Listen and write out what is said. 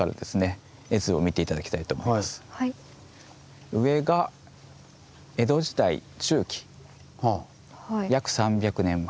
更に２枚上が江戸時代中期約３００年前。